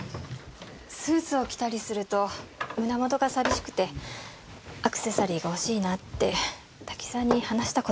スーツを着たりすると胸元が寂しくてアクセサリーが欲しいなって滝沢に話した事があって。